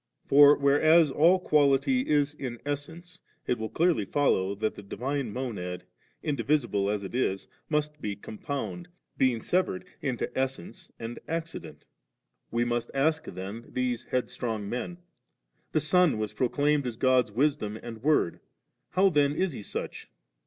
For whereas all quality is in essence, it will clearly follow that the Divine Monad, indi visible as it is, must be compound, being severed into essence and accident^ We must ask then these headstrong men; The Son was proclaimed as God's Wisdom and Word ; how then is He such